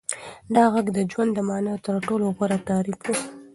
دا غږ د ژوند د مانا تر ټولو غوره تعریف و.